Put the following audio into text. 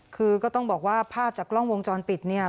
คือก็ต้องบอกว่าภาพจากกล้องวงจรปิดเนี่ย